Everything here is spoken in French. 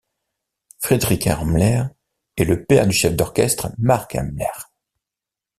Fridrikh Ermler est le père du chef d'orchestre Mark Ermler.